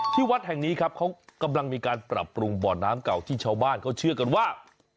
วัดแห่งนี้ครับเขากำลังมีการปรับปรุงบ่อน้ำเก่าที่ชาวบ้านเขาเชื่อกันว่า